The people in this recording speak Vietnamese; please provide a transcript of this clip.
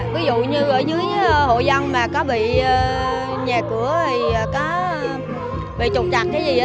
ví dụ như ở dưới hội dân mà có bị nhà cửa hay có bị trục trặc cái gì